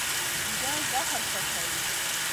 جګر زهر پاکوي.